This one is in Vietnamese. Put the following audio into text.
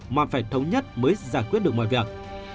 mà phải thống nhất mới giải quyết được mọi việc